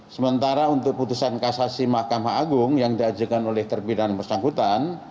sementara untuk putusan kasasi mahkamah agung yang diajukan oleh terpidana bersangkutan